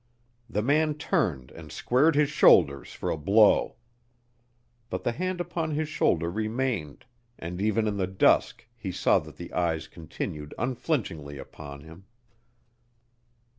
The man turned and squared his shoulders for a blow. But the hand upon his shoulder remained, and even in the dusk he saw that the eyes continued unflinchingly upon him.